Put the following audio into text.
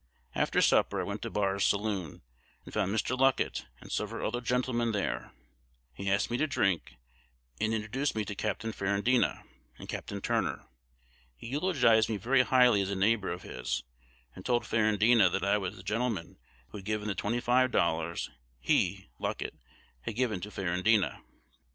After supper, I went to Barr's saloon, and found Mr. Luckett and several other gentlemen there. He asked me to drink, and introduced me to Capt. Ferrandina and Capt. Turner. He eulogized me very highly as a neighbor of his, and told Ferrandina that I was the gentleman who had given the twenty five dollars he (Luckett) had given to Ferrandina.